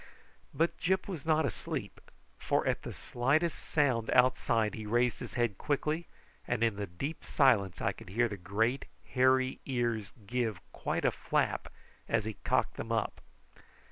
But Gyp was not asleep, for at the slightest sound outside he raised his head quickly, and in the deep silence I could hear the great hairy ears give quite a flap as he cocked them up.